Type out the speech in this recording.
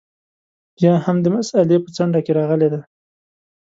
یا هم د مسألې په څنډه کې راغلې ده.